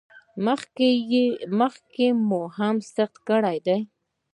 مخکې مو سقط کړی دی؟